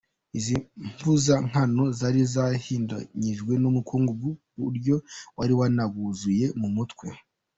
Izi mpuzankano zari zahindanyijwe n’umukungugu ku buryo wari wanabuzuye mu mitwe.